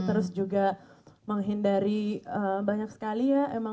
terus juga menghindari banyak sekali ya